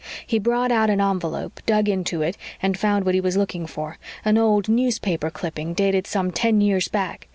He brought out an envelope, dug into it, and found what he was looking for an old newspaper clipping dated some ten years back.